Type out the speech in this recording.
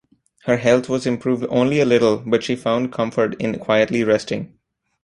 Her health was improved only a little, but she found comfort in quietly resting.